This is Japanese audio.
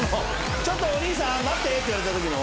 「ちょっとお兄さん待って」って言われたときの。